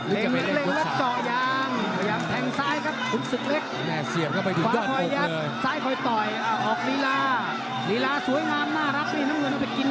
เร็งเร็งแล้วเจาะยาง